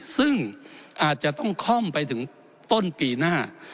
ซึ่งอาจจะต้องค่อมไปถึงต้นปีหน้า